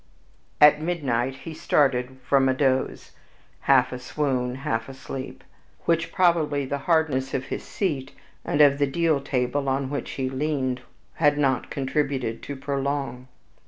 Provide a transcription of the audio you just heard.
..... At midnight he started from a doze, half a swoon, half a sleep, which probably the hardness of his seat, and of the deal table on which he leaned, had not contributed to prolong.